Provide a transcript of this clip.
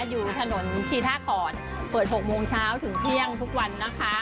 อยู่ถนนชีท่าขอนเปิด๖โมงเช้าถึงเที่ยงทุกวันนะคะ